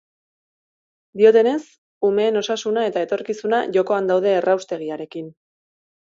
Diotenez, umeen osasuna eta etorkizuna jokoan daude erraustegiarekin.